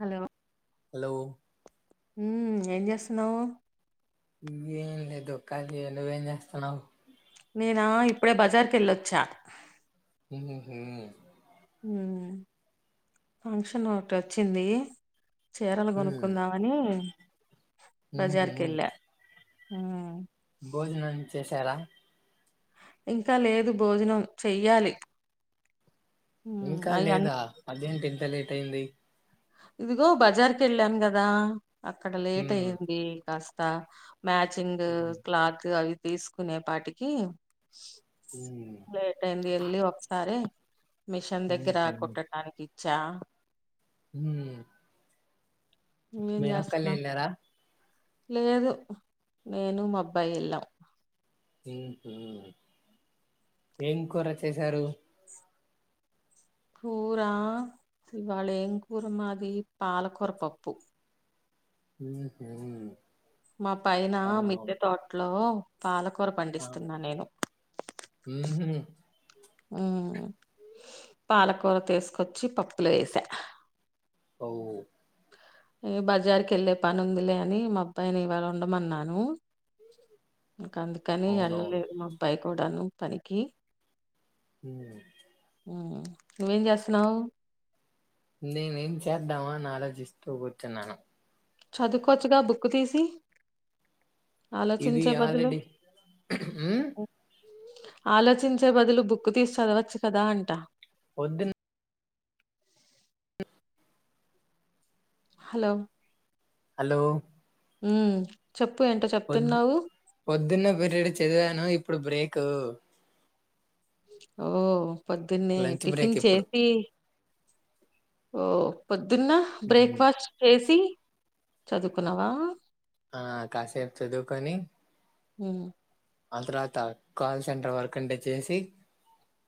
Hello hello మ్ఏం చేస్తున్నావు ఇ ఏం లేదు క నువ్వేఏం చేస్తున్నావు నేనా ఇప్పుడే బజార్ కెవెళ్ళొచ్చా ఉహు ఉఫంక్షన్ ఒకటి వచ్చింది చీరలు కొనుక్కుందామని ఉ హు మ్ భోజనం చేశారా ఇంకా లేదు భోజనం చెయ్యాలి హ్మ్ ఇంకా అయన్ లేదా అదేంటి ఎంత లేట్ అయింది ఇదిగో బజార్‌ కివెళ్ళాను కదా అక్కడ లేట్ ఉమ్ అయ్యంది కాస్తా మ్యాచింగు క్లాత్ అవి తీసుకునే పాటికి ఉమ్ లేేట్ అయింది ఎల్లి ఒకసారి మిషన్ దగ్గర ఉహు కొట్టటానికి చా హమ్ నువ్వేం మెరక్కాయ్ చేస్తున్నావ్ య్యాలెరా లేదు నేను మా అబ్బాయి ఎళ్ళాం ఏం కూర చేసారు కూరా ఇవాళ ఏం కూర మాది పాలకూర పప్పు హ్మ్మ్ మా పైన మిట్టె తోట్లో పాలక్ కూర ఆ పండిస్తున్నా నేను ఉహు ఉ పాలకూర తీసుకొచ్చి పప్పులో ఎసా అవ్వు ఇగ బజార్ కి వెళ్ళే పని ఉందిలే అని మా అబ్బాయిని ఇవాళ ఉండమన్నాను ఇంక అందుకని అవునవును వెళ్ళలేదు మా అబ్బాయి కూడను పనికీ ఉమ్ ఉ నువ్వేం చేస్తున్నావ్ నేను ఏం చేద్దామా అని ఆలోచిస్తూ కూర్చున్నాను చదువుకోవచ్చుగా బుక్ తీసి ఇది ఆలోచించే బదులు ఆల్రెడి హమ్ ఆలోచించే బదులు బుక్ తీసి చదవచ్చు కదా అంట వద్దున్ హలో హలో హమ్ పొద్ పొద్దున్న పీరియడ్ చదివాను ఇప్పుడు బ్రేక్ కు ఓ పొద్దున్నే బ్రేక్ టిఫిన్ ఇప్పుడు చేసి ఓ పొద్ పొద్దున్న ఉమ్. బ్రేక్ఫాస్ట్ చేసి చదువుకున్నవా ఆ కాసేపు చదువుకొని ఉ ఆ తర్వాత కాల్ సెంటర్ వర్క్ ఉంటే చేసి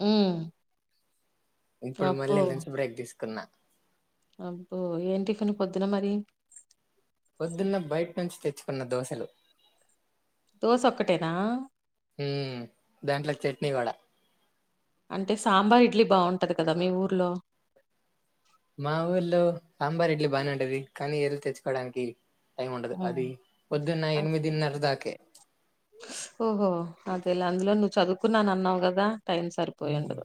ఊ ఇప్పుడు మళ్ళీ లంచ్ బ్రేక్ తీసుకు కున్నా అబ్బో ఏం టిఫిన్ పొద్దున మరి వొద్దున్న బయట్ నుంచి తెచ్చుకున్న దోశలు దోశ ఒక్కటేనా ఉమ్ దాంట్లో చట్నీ వడ అంటే సాంబార్ ఇడ్లీ బాగుంటది కదా మీ ఊర్లో మా ఊర్లో సాంబార్ ఇడ్లి బాగనేఉంటది కానీ ఎల్లి తెచ్చుకోడానికి టైమ్ ఉండదు హ్మ్. అది పొద్దున్న ఎనిమిదిన్నర దాక కే ఓహో అదేలె అందులో నువ్వు చదువుకున్నానన్నవ్ గదా టైం ఉమ్ సారిపోయుండదు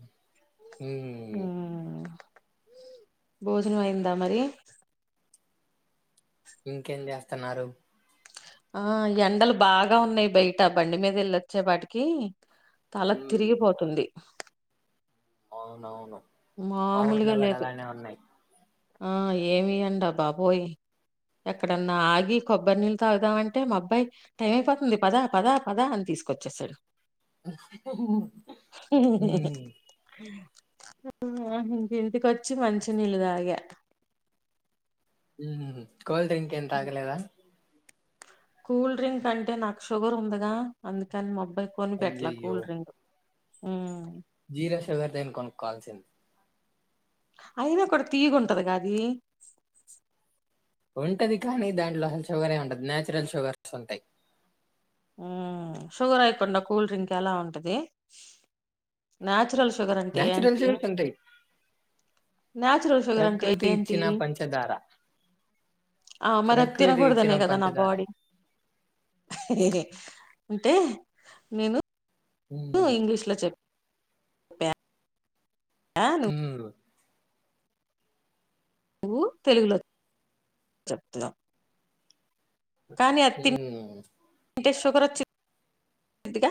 ఉమ్, ఊ.... భోజనం అయిందా మరి ఇంకేం జేస్తున్నారు ఆ ఎండలు బాగా ఉన్నాయి బయట బండి మీద ఎల్లవచ్చే పాటికి తల ఉమ్ తిరిగిపోతుంది అవునవును మా మామూలుగా ఊర్లో గూడ లేదు అలానే ఉన్నాయి ఆ ఏమి ఎండ బాబోయ్ ఎక్కడన్నా ఆగి కొబ్బరి నీళ్ళు తాగుదామంటే మా అబ్బాయి టైం అయిపోతుంది పదా పదా పదా అని తీసుకొచ్చేశాడు ఉహూ ఆహా ఇంక ఇంటింటికొచ్చి మంచి నీళ్ళు తాగ హూ కోల్డ్ డ్రింక్ ఏం తాగలేద కూల్ డ్రింక్ అంటె నాకు షుగర్ ఉందిగా అందుకని మబ్ మి అబ్బయి కొనిపెట్ల కూల్డ్రింగ్ ఉమ్ జీర సుగర్దైన కొనుక్కోవాల్సింది అయినా కూడా తీయగుంటది గది ఉంటది కానీ దాంట్లో హల్ షుగరే ఉందడు నచురల్ షుగర్స్ ఉంటాయి ఊ.. షుగర్ అయకుండ కూల్ డ్రింక్ ఎలా ఉంటది? నాచురల్స్.. షుగర్ అంటే నేచురల్ ఏంటి? షుగర్స్ ఉంటాయి నాచురల్ షుగర్ అంటే ప్రకృతి ఏంటి? ఇచ్చిన పంచదార ఆ మరి ప్రకృతి ఇచ్చిన తినకూడదనే కదా నా పంచదార బాడీ? ! అంటే నేను ఊ మ్మ్. ఇంగ్లీష్ లో చెప్ ప్య హూ నువ్వు తెలుగులో.. చెప్తున్నావ్ హూ టె షుగర్ వచ్చి ద్ గ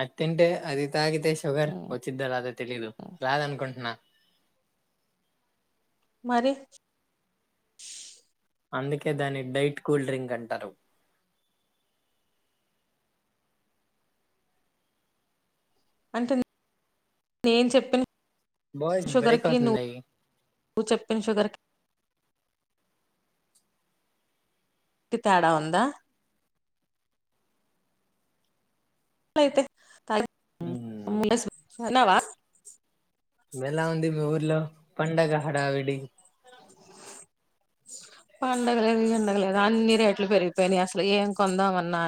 అది తింటే అది తాగితే షుగర్ వచ్చిద్ద రాదా తెలిదు రాదు అనుకుంటనా మరి అందుకే దాన్ని డైట్ కూల్డ్రింక్ అంటరు అంటెన్ నేను చెప్పిన బాయ్స్ బ్రేక్ షుగరికి నువ్ అవుతుంది చెప్పిన షుగర్ కి కి తేడా ఉంద లయితే తాయి ఊ ఉన్నావ వెలా ఉంది మీ ఊర్లో పండగ హడావిడి పండగ లేదు గిండగలేదు అన్ని రేట్లు పెరిగిపోయినయి అసలు ఏం కొందామన్నా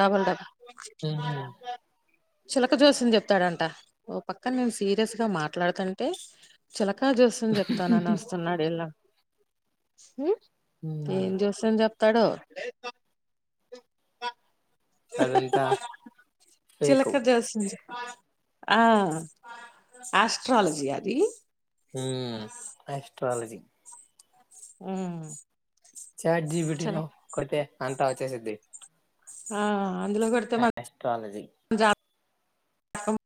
డబల్ డబల్ హు ఉ చిలక జోస్యం చెప్తాడంట ఓ పక్కన మేం సీరియస్ గా మాట్లాడుతంటే చిలక క జోస్యం చెప్తాను అని వస్తన్ [unintelligible] హు ఇంకా ఉమ్. ఎమ్ జేస్తాం చెప్ తడు [unintelligible] అదంతా [unintelligible] చిలక ఫేకు జోస్యం ఆ ఆస్ట్రాలజీ అది హ్మ్ ఆస్ట్రాలజీ ఊ చారిజీ బెట్టిన కొడితే అంతా వచ్చేసుద్ది ఆ అందులో కొడితే ఆస్ట్రాలజీ [unintelligible] యామ్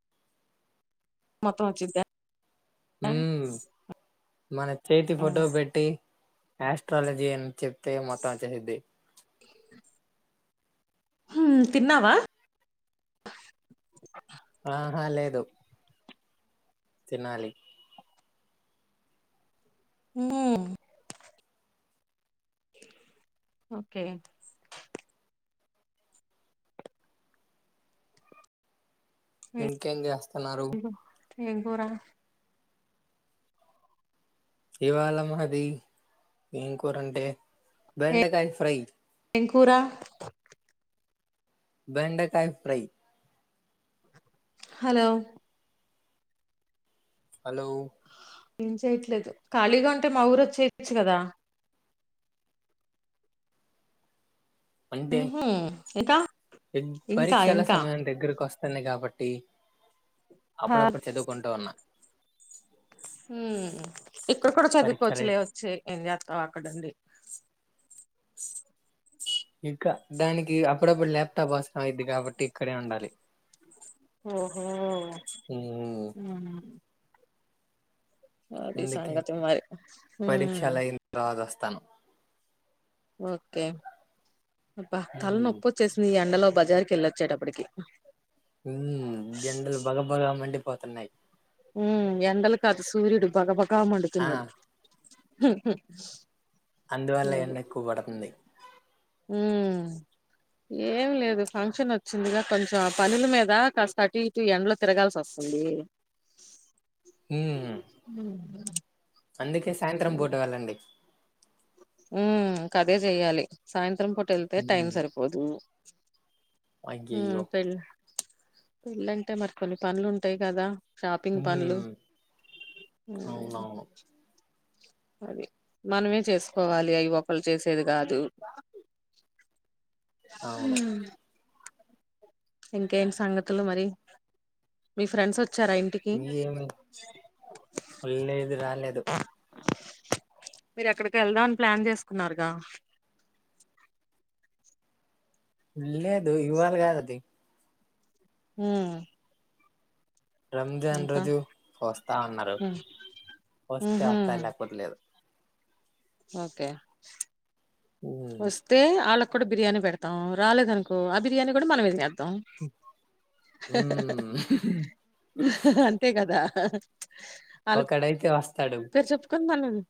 మొత్తం వచ్చుంద్ద హ్మ్ మన చేతి ఫోటో పెట్టి యాస్ట్రాలజీ అని చెప్ తే మొత్తం వచ్చెసుద్ది హ్మ్ తిన్నావా [unintelligible] ఆహా లేదు తినాలి ఊ ఓకే ఇంకేం చేస్త అన్నారు ఏం కూర ఇవాళ మాది ఏం కూరంటే బెండకాయ ఫ్రై ఏం కూర బెండకాయ ఫ్రై హలో హలో ఏం చెయట్లేదు ఖాళీగా ఉంటే మా ఊరు వచ్చెయొచ్చు కదా అంటే ఊహూ ఇంకా ఇంకా పరీక్షల ఇంకా సమయం దగ్గరకి వస్త వస్తాంది కాబట్టి హ అప్పుడప్పుడు చదువుకుంటా ఉన్నా హ్మ్ ఇక్కడ కూడా పరీక్షలే చదువుకోవచ్చు లే వచ్చే ఏం జేత్తావు అక్కడ ఉండి ఇంకా దానికి అప్పుడప్పుడు ల్యాప్టాప్స ఇది కాబట్టి ఇక్కడే ఉండాలి ఓహో హ్మ్ అది అందుకే సాంగతే మరి తను ఓకే బ తల ఉమ్, నొప్పొచ్చసింది ఈ ఎండలో బజార్కి వెళ్ళొచ్చేటప్పటికి ఉ జండలు బగ బగ మంటడి పోతున్నాయి ఉ ఎండల కాదు సూర్యుడు భగభక్తి ఆ కామండుతున్నాడు హ అందువల్ల ఏన్నా ఎక్కువ పడుతుంది ఉ ఏం లేదు ఫంక్షన్ వచ్చిందిగా కొంచెం పనుల మీద కాస్త థర్టీ టు ఎండ్ లో తిరగాల్సి వస్తుంది ఉమ్, హ అందుకే సాయంత్రం బోట వెళ్ళండి ఉ ఇంకా అదే చెయ్యాలి సాయంత్రం సాయంత్రం పూట వెళ్తే టైమ్ం ఉమ్, సరిపోదు హ అయ్యయ్యో పేల పెళ్లంటే మరికొన్ని పనులు ఉంటాయి కద షాపింగ్ పనులు ఉమ్, ఊమ్ అవునవును అది మనమే చేసుకోవాలి అయి ఒకలు చేసేది కాదు అవును ఊమ్ ఇంకేం సంగతులు మరి మీ ఫ్రెండ్స్ వ ఇ ఏం లేదు రాలేదు మీరు ఎక్కడికి వెళ్దామని ప్లాన్ చేసుకున్నారుగా లేదు ఇవాళ కాదది ఊమ్ రంజాన్ రోజు వస్తా అన్నారు వస్తే ఉహు వస్తా లేకపోలేదు ఓకే ఉమ్ వస్తే ఆళక్ బిర్యానీ పెడతాం రాలేదనుకో ఆ బిర్యానీ కూడా మనం తినేద్దాం హా హా ఉమ్ హా అంతే కదా కహ ఒక్కడయితే వస్ పేరు చెప్పుకొని మలుంది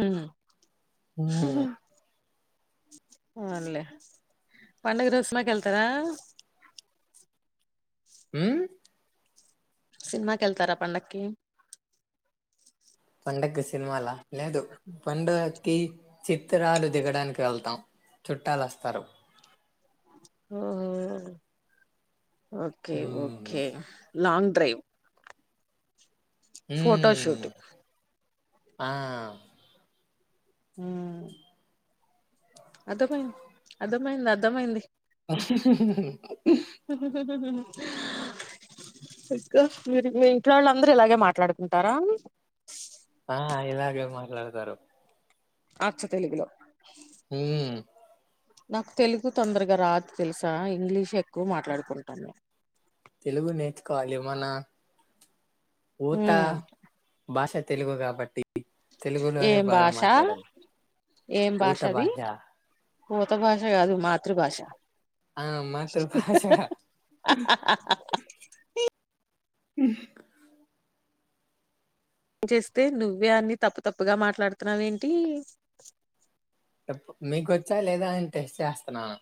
ఊమ్ హా ఉమ్ హ పోన్లే పండగ రోజు సినిమాకెళ్తారా ఊమ్ సినిమా కెళ్తారా పండకి పండకి సినిమాల లేదు పండుగకి చిత్రాలు దిగడానికి వేళ్తాం చుట్టాలు అస్తారు ఓహో okay um okay long drive um photoshoot ఆ ఊమ్ అర్థమైంది అర్థమైంది అర్థమైంది ఉహ్ హ్మ్ హ్మ్ ఇంకా మీరు మీ ఇంట్లో వాళ్ళు అందరూ ఇలాగే మాట్లాడుకుంటారా ఆ ఇలాగే మాట్లాడుతారు అచ్చ తెలుగులో ఊమ్ నాకు తెలుగు తొందరగా రాదు తెలుసా ఇంగ్లీష్ ఎక్కు మాట్లాడుకుంటాము తెలుగు నేర్చుకోవాలి మన ఊత ఉమ్ భాష తెలుగు కాబట్టి తెలుగులోనే ఏం బాగా భాష మాట్లాడాలి ఊత భాష ఊత భాష కాదు మాతృభాష ఆ మాతృభాష హ్మ్మ్ ఏం చేస్తే నువ్వే అన్ని తప్పు తప్పుగా మాట్లాడుతున్నావేంటి మీకొచ్చా లేదా అని టెస్ట్ చేస్తున్నాను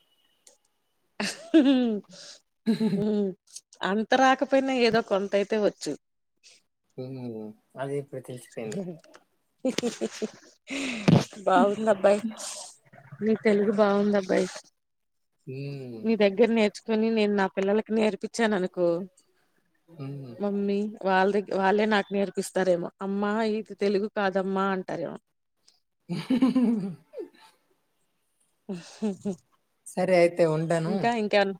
మ్మ్ అంత రాకపోయినా ఏదో కొంత అయితే వచ్చు మ్మ్ అది ఇప్పుడు తెలిసిపోయింది మ్మ్ బాగుంది అబ్బాయి నీ తెలుగు బాగుంది అబ్బాయి హ్మ్ మీ దగ్గర నేర్చు కొని నేన్ నా పిల్లలకి నేర్పించాను అనుకో హ్మ్ మమ్మీ వాళ్ళ దగ్ వాళ్ళే నాకు నేర్పిస్తారేమో అమ్మా ఈకు తెలుగు కాదమ్మా అంటారేమో సరే అయితే ఉంటాను ఇంకా ఇంకేమన్నా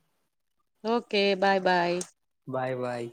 okay bye bye bye bye